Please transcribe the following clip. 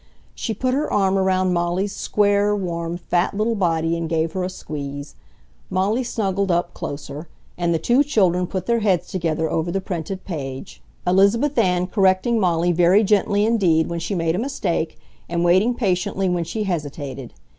She put her arm around Molly's square, warm, fat little body and gave her a squeeze. Molly snuggled up closer; and the two children put their heads together over the printed page, Elizabeth Ann correcting Molly very gently indeed when she made a mistake, and waiting patiently when she hesitated.